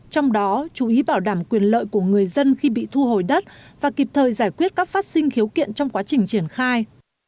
trong đó chú ý bảo đảm quyền lợi của người dân khi bị thu hồi đất và kịp thời giải quyết các phát sinh khiếu kiện trong quá trình triển khai